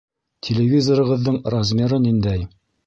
Телевизорығыҙҙың размеры ниндәй?